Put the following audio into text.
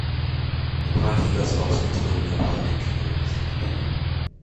The party thus lost its only parliamentary representative.